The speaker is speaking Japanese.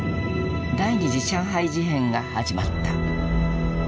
第二次上海事変が始まった。